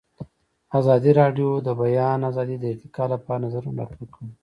ازادي راډیو د د بیان آزادي د ارتقا لپاره نظرونه راټول کړي.